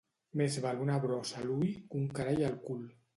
Més val una brossa a l'ull que un carall al cul.